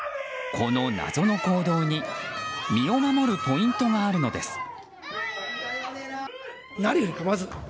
この謎の行動に身を守るポイントがあるのです。